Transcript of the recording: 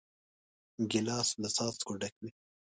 ګیلاس له څاڅکو ډک وي.